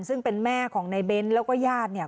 ซึ่งเป็นแม่ของนายเบนแล้วก็ญาติ